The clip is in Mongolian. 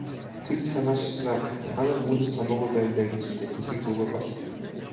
Тэгж санааширснаа "Та нар мөн ч томоогүй байна даа" гэж хэлээд хэсэг дуугүй болов.